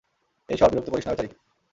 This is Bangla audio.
এই সর বিরক্ত করিস না বেচারি কে।